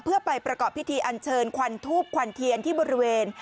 เพื่อไปประกอบพิธีอันเชิญควันทูบควันเทียนที่บริเวณ